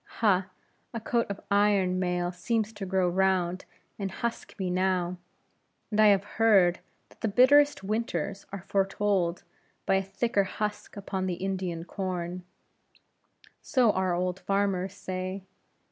Ha! a coat of iron mail seems to grow round, and husk me now; and I have heard, that the bitterest winters are foretold by a thicker husk upon the Indian corn; so our old farmers say.